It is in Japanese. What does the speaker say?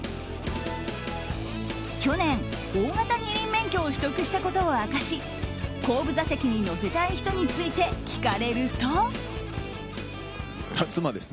去年、大型二輪免許を取得したことを明かし後部座席に乗せたい人について聞かれると。